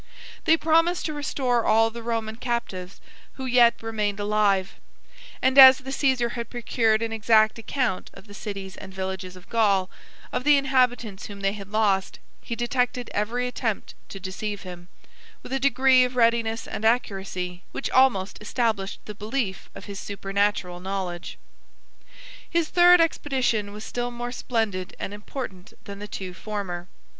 They promised to restore all the Roman captives who yet remained alive; and as the Cæsar had procured an exact account from the cities and villages of Gaul, of the inhabitants whom they had lost, he detected every attempt to deceive him, with a degree of readiness and accuracy, which almost established the belief of his supernatural knowledge. His third expedition was still more splendid and important than the two former.